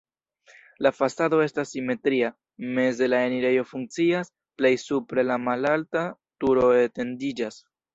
La fasado estas simetria, meze la enirejo funkcias, plej supre la malalta turo etendiĝas.